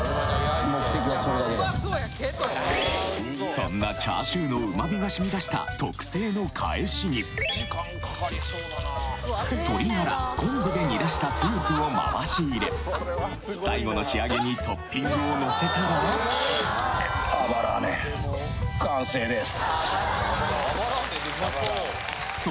そんなチャーシューのうまみがしみ出した特製のかえしに鶏がら昆布で煮出したスープを回し入れ最後の仕上げにトッピングをのせたら完成です。